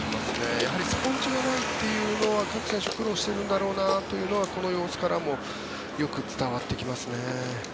やはりスポンジがないというのは各選手、苦労しているんだろうなというのはこの様子からもよく伝わってきますね。